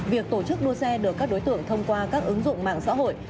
việc tổ chức đua xe được các đối tượng thông qua các ứng dụng mạng xã hội